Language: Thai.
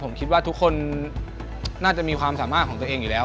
ผมคิดว่าทุกคนน่าจะมีความสามารถของตัวเองอยู่แล้ว